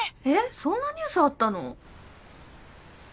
えっそんなニュースあったの！？